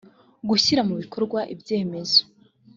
gushyira mu bikorwa ibyemezo